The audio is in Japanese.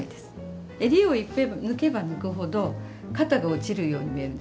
襟を抜けば抜くほど肩が落ちるように見えるんですよ。